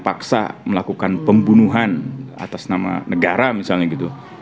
paksa melakukan pembunuhan atas nama negara misalnya gitu